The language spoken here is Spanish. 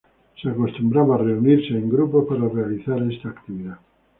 Se acostumbraba reunirse en grupos para realizar esta actividad.